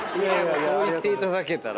そう言っていただけたら。